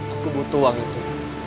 aku butuh uang itu